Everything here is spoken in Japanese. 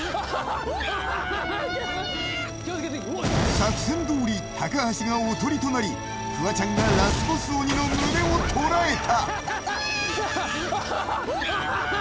作戦どおり高橋がおとりとなり、フワちゃんがラスボス鬼の胸を捉えた。